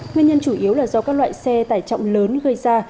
nguyên nhân chủ yếu là do các loại xe tải trọng lớn gây ra